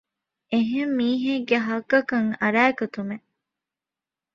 އެހެން މީހެއްގެ ޙައްޤަކަށް އަރައިގަތުމެއް